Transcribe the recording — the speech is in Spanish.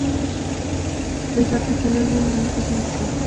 Desarticuló el movimiento sindical.